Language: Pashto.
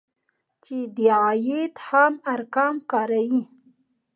چې د عاید خام ارقام کاروي